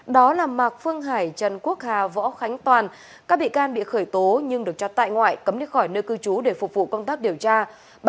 đó là mạc phương hải trần quốc hà võ khánh toàn các bị can bị khởi tố nhưng được cho tại ngoại cấm đi khỏi nơi cư trú để phục vụ công tác điều tra